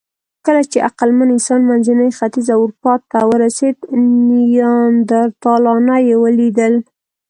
کله چې عقلمن انسان منځني ختیځ او اروپا ته ورسېد، نیاندرتالان یې ولیدل.